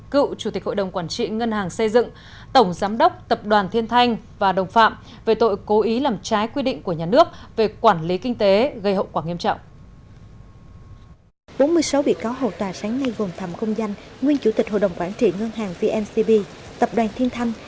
chủ tịch hội đồng quản trị ngân hàng vncb tập đoàn thiên thanh